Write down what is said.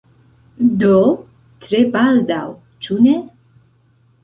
Do, tre baldaŭ ĉu ne?